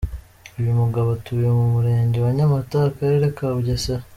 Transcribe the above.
Uyu mugabo atuye mu Murenge wa Nyamata, Akarere ka Bugesera.